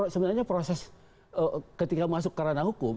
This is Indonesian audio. sebenarnya proses ketika masuk ke ranah hukum